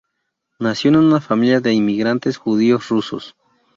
Nació en una familia de inmigrantes judíos rusos.